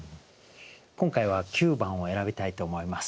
今回は９番を選びたいと思います。